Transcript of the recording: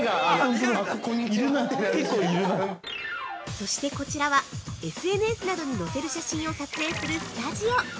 ◆そしてこちらはＳＮＳなどに載せる写真を撮影するスタジオ。